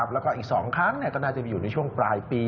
แล้วก็อีก๒ครั้งก็น่าจะมีอยู่ในช่วงปลายปี